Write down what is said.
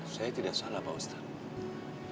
saya tidak salah pak ustadz